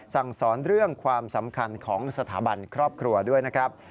สั่งสอนเรื่องความสำคัญของสถาบันครอบครัวด้วยนะครับ